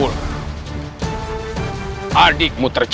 kami harus pergi